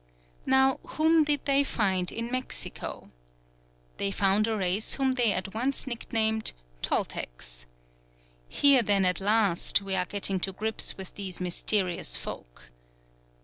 Now whom did they find in Mexico? They found a race whom they at once nicknamed "Toltecs." Here then, at last, we are getting to grips with these mysterious folk.